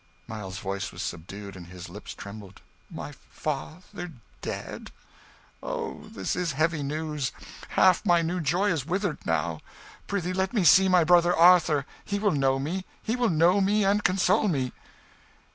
Miles's voice was subdued, and his lips trembled. "My father dead! oh, this is heavy news. Half my new joy is withered now. Prithee let me see my brother Arthur he will know me; he will know me and console me."